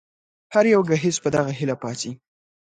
هر يو ګهيځ په دغه هيله پاڅي